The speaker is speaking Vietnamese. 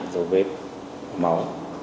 dấu viết máu